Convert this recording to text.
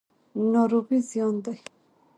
ناروغي زیان دی.